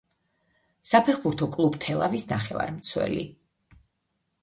საფეხბურთო კლუბ „თელავის“ ნახევარმცველი.